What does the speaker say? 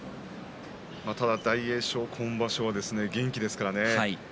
ただ大栄翔は今場所、元気ですからね。